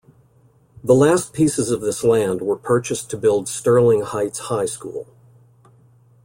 The last pieces of this land were purchased to build Sterling Heights High School.